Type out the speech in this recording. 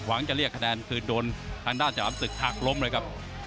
จะเรียกคะแนนคือโดนทางด้านฉลามศึกหักล้มเลยครับ